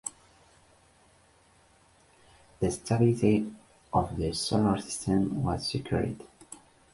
The stability of the solar system was secured.